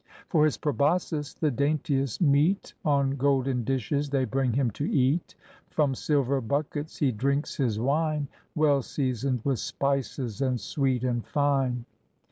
For his proboscis the daintiest meat On golden dishes they bring him to eat; From silver buckets he drinks his wine. Well seasoned with spices and sweet and fine.